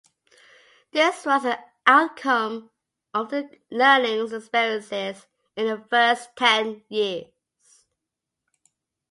This was an outcome of the learnings and experiences in the first ten years.